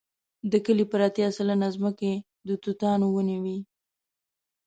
د کلي پر اتیا سلنې ځمکې د توتانو ونې وې.